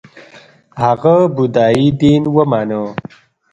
هغه بودايي دین ومانه